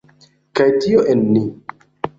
Kaj tio en ni.